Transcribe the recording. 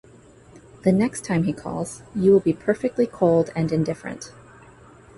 The next time he calls, you will be perfectly cold and indifferent.